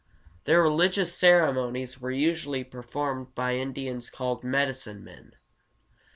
Their religious ceremonies were usually performed by Indians called medicine men.